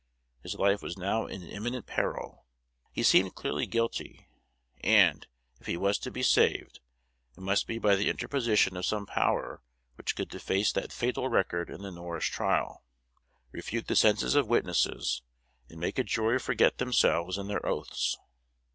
His life was now in imminent peril: he seemed clearly guilty; and, if he was to be saved, it must be by the interposition of some power which could deface that fatal record in the Norris trial, refute the senses of witnesses, and make a jury forget themselves and their oaths.